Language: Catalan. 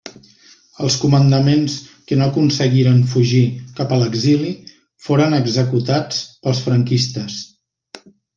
Els comandaments que no aconseguiren fugir cap a l'exili foren executats pels franquistes.